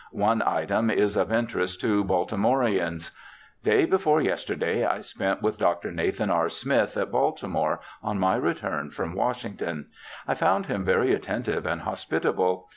One item is of interest to Baltimoreans :—' Day before yesterday I spent with Dr. Nathan R. Smith, at Baltimore, on my return from Washington. I found him very attentive and hospitable.